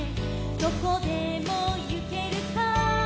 どこでもゆけるさ」